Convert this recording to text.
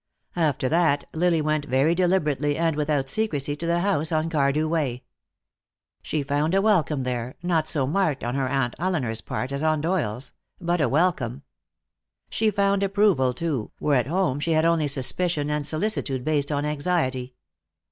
After that Lily went, very deliberately and without secrecy, to the house on Cardew Way. She found a welcome there, not so marked on her Aunt Elinor's part as on Doyle's, but a welcome. She found approval, too, where at home she had only suspicion and a solicitude based on anxiety.